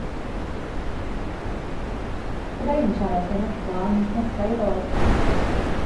Fydda i'n siarad mewn odla am w'snosa i ddod.